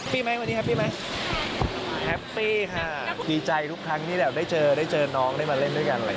ปั๊บดีเมื่อไหร่ก็เดี๋ยวประกาศให้ชาติแน่นอนครับ